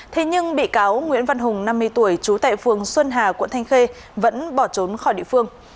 thế nhưng bị cáo nguyễn văn hùng năm mươi tuổi trú tại phường xuân hà quận thanh khê vẫn bỏ trốn khỏi địa phương